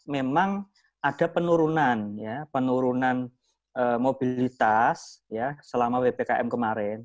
memang ada penurunan ya penurunan mobilitas ya selama ppkm kemarin